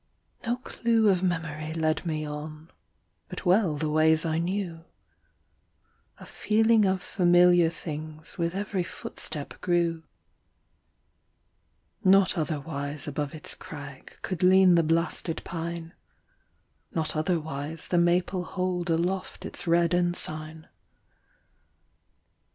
No clue of memory led me on, But well the ways I knew; A feeling of familiar things With every footstep grew. Not otherwise above its crag Could lean the blasted pine; Not otherwise the maple hold Aloft its red ensign.